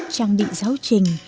trang bị giáo trình